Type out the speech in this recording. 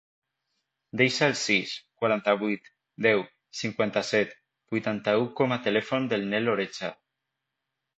Desa el sis, quaranta-vuit, deu, cinquanta-set, vuitanta-u com a telèfon del Nel Oreja.